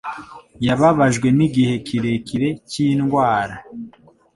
Yababajwe nigihe kirekire cyindwara.